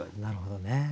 なるほどね。